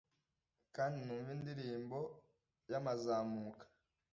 Kandi numve indirimbo ya mazamuka